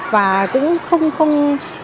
và cũng không